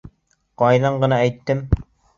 Ҡайҙан ғына әйттем!